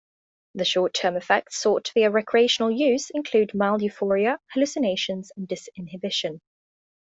The short-term effects sought via recreational use include mild euphoria, hallucinations, and disinhibition.